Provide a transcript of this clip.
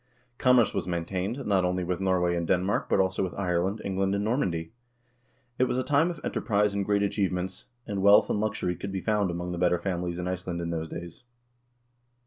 Commerce was maintained, not only with Norway and Denmark, but also with Ireland, England, and Normandy. It was a time of enterprise and great achievements, and wealth and luxury could be found among the better families in Iceland in those days.